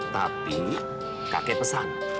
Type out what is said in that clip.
tapi kakek pesan